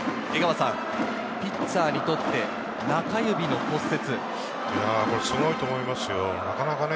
ピッチャーにとって中指の骨折。